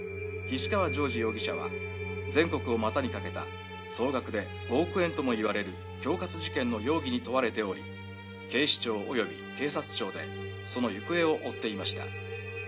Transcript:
「岸川譲司容疑者は全国を股にかけた総額で５億円ともいわれる恐喝事件の容疑に問われており警視庁および警察庁でその行方を追っていました」